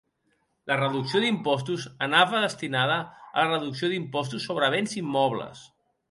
La reducció d'impostos anava destinada a la reducció d'impostos sobre béns immobles.